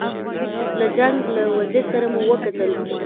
له جنګ له وزیر سره مو وکتل.